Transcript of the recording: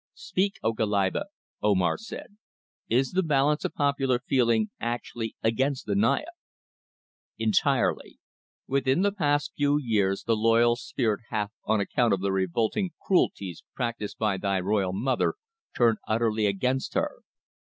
"Speak, O Goliba," Omar said. "Is the balance of popular feeling actually against the Naya?" "Entirely. Within the past few years the loyal spirit hath, on account of the revolting cruelties practised by thy royal mother, turned utterly against her.